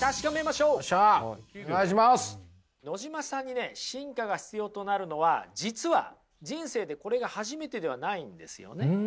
野島さんにね進化が必要となるのは実は人生でこれが初めてではないんですよね。